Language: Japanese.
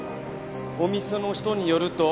お店の人によると。